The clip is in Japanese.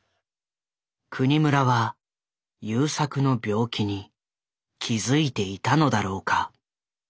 國村は優作の病気に気付いていたのだろうか。